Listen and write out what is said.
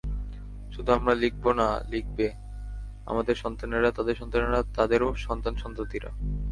শুধু আমরা লিখব না, লিখবে আমাদের সন্তানেরা, তাদের সন্তানেরা, তাদেরও সন্তান-সন্ততিরা।